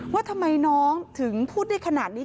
ว่าทำไมน้องถึงพูดได้ขนาดนี้